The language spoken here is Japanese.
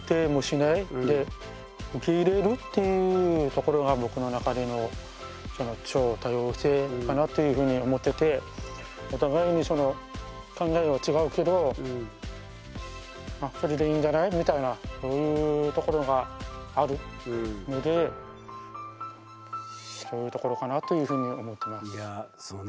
っていうところが僕の中での超多様性かなっていうふうに思っててお互いに考えは違うけどまあこれでいいんじゃない？みたいなというところがあるのでそういうところかなというふうに思ってます。